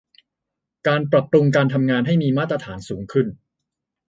การปรับปรุงการทำงานให้มีมาตรฐานสูงขึ้น